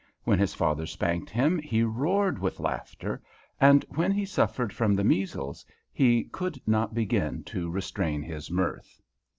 When his father spanked him he roared with laughter, and when he suffered from the measles he could not begin to restrain his mirth.